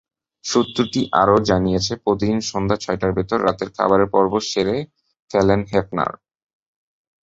সূত্রটি আরও জানিয়েছে, প্রতিদিন সন্ধ্যা ছয়টার ভেতর রাতের খাবারের পর্ব সেরে ফেলেন হেফনার।